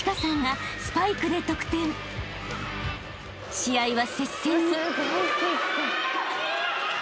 ［試合は接戦に］